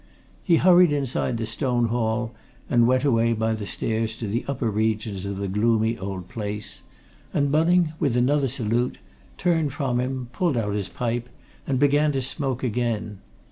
He hurried inside the stone hall and went away by the stairs to the upper regions of the gloomy old place, and Bunning, with another salute, turned from him, pulled out his pipe and began to smoke again.